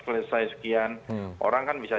selesai sekian orang kan bisa